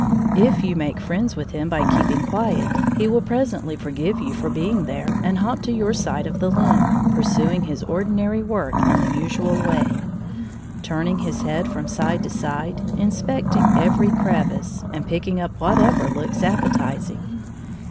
If you make friends with him by keeping quiet, he will presently forgive you for being there and hop to your side of the limb, pursuing his ordinary work in the usual way, turning his head from side to side, inspecting every crevice, and picking up whatever looks appetizing.